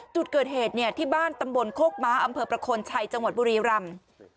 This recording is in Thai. จุดเกิดเหตุเนี่ยที่บ้านตำบลโคกม้าอำเภอประโคนชัยจังหวัดบุรีรำ